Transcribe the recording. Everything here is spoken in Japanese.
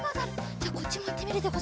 じゃこっちもいってみるでござる。